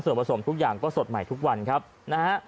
ส่วนผสมทุกอย่างก็สดใหม่ทุกวันครับนะฮะ